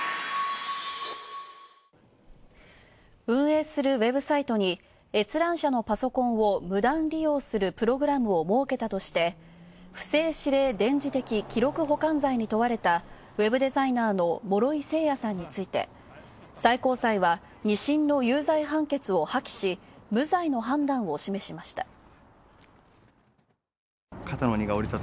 運営するウェブサイトに閲覧者のパソコンを無断利用するプログラムを設けたとして不正指令電磁的記録保管罪に問われたウェブデザイナーの諸井聖也さんについて最高裁は２審の有罪判決を破棄し無罪の判断を示しました。